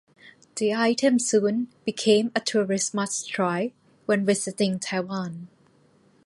The item soon became a tourist must try when visiting Taiwan.